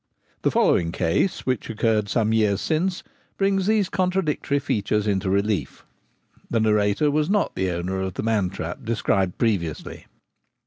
The following case, which occurred some years since, brings these contradictory features into relief. The narrator was not the owner of the man trap described previously.